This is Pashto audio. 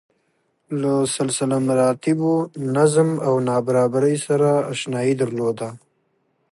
له سلسله مراتبو، نظم او نابرابرۍ سره اشنايي درلوده.